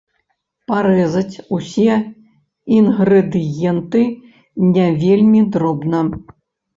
Парэзаць усе інгрэдыенты не вельмі дробна.